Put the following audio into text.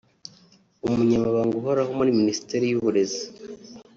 Umunyamabanga uhoraho muri Minisiteri y’Uburezi